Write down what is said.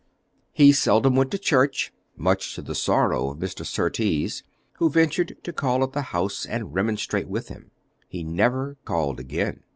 He seldom went to church, much to the sorrow of Mr. Surtees, who ventured to call at the house and remonstrate with him. He never called again.